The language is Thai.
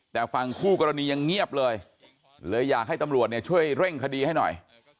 แต่ฝั่งคู่กรณียังเงียบเลยเลยอยากให้ตำรวจเนี่ยช่วยเร่งคดีให้หน่อย